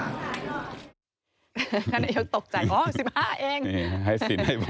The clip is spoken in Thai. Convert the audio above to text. ขอบคุณมาก